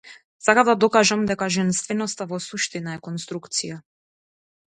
Сакав да докажам дека женственоста во суштина е конструкција.